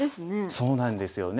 そうなんですよね。